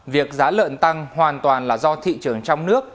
việc giá lợn tăng hoàn toàn là do thị trường trong nước